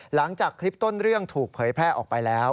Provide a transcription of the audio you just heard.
หลังจากคลิปต้นเรื่องถูกเผยแพร่ออกไปแล้ว